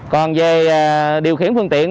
còn về điều khiển phương tiện